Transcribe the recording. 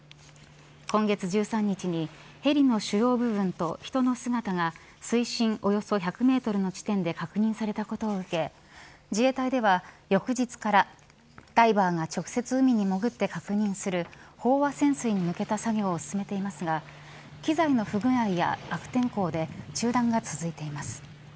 今月１３日にヘリの主要部分と人の姿が水深およそ１００メートルの地点で確認されたことを受け自衛隊では、翌日からダイバーが直接海に潜って確認する飽和潜水に向けた作業を進めていますが機材の不具合や悪天候で中断が続いています。